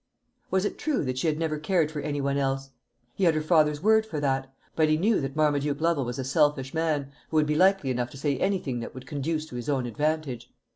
Was it true that she had never cared for any one else? He had her father's word for that; but he knew that Marmaduke Lovel was a selfish man, who would be likely enough to say anything that would conduce to his own advantage.